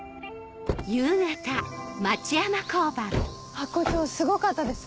ハコ長すごかったです